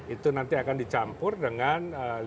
itu nanti akan dicampur dengan lima puluh meter